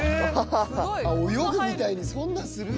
泳ぐみたいにそんなするんだ。